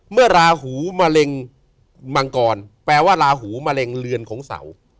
เมื่อลาหูมาเล็งมังกรแปลว่าลาหูมาเล็งเรือนของเสา